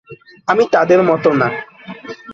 আমি তাদের মত না।